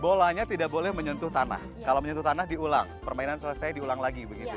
bolanya tidak boleh menyentuh tanah kalau menyentuh tanah diulang permainan selesai diulang lagi begitu